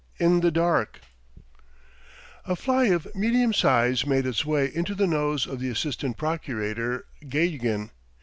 Why? IN THE DARK A FLY of medium size made its way into the nose of the assistant procurator, Gagin.